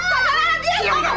astagfirullahaladzim pak samsul